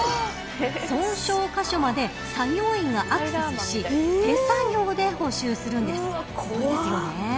損傷箇所まで作業員がアクセスし手作業で補修するんです。